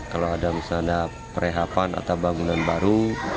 kalau ada misalnya perehapan atau bangunan baru